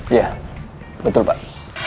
iya betul pak